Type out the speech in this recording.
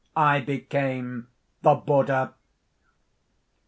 I became the Buddha.